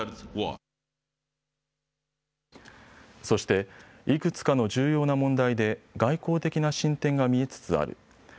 そして、いくつかの重要な問題で外交的な進展が見えつつある。